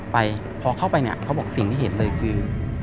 ไปพอเข้าไปเนี่ยเขาบอกสิ่งที่เห็นเลยคือ